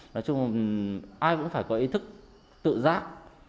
nói chung là ai cũng phải có ý thức tự giác